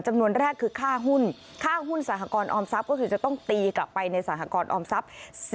จำนวนแรกคือค่าหุ้นค่าหุ้นสหกรออมทรัพย์ก็คือจะต้องตีกลับไปในสหกรออมทรัพย์